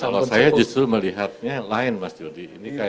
kalau saya justru melihatnya lain mas yodi